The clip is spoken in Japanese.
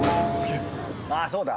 あっそうだ。